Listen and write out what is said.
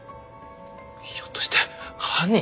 ひょっとして犯人！？